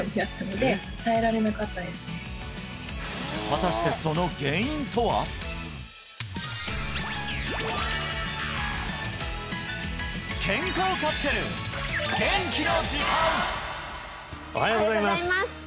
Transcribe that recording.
果たしておはようございます